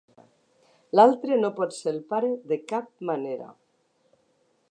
L'altre no pot ser el pare de cap manera.